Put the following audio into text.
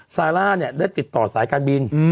ซาร่าเนี่ยได้ติดต่อสายการบิน